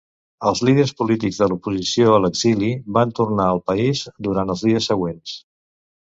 Els líders polítics de l'oposició a l'exili van tornar al país durant els dies següents.